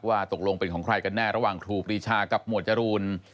ว่าตกลงเป็นของใครกันแน่ระหว่างครูปรีชากับหมวดจรูน